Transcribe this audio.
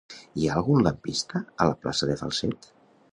Hi ha algun lampista a la plaça de Falset?